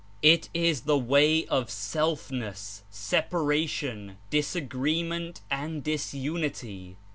It Is the way of selfness, separa tion, disagreement and disunity.